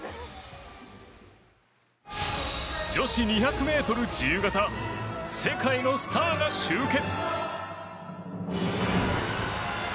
女子２００ｍ自由形世界のスターが集結。